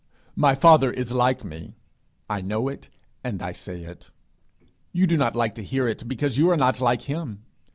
My Father is like me; I know it, and I say it. You do not like to hear it because you are not like him.